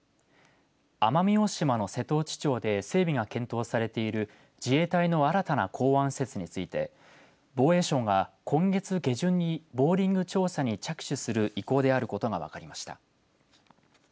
奄美大島の瀬戸内町で整備が検討されている自衛隊の新たな港湾施設について防衛省が今月下旬にボーリング調査に着手する意向であることが分かりました。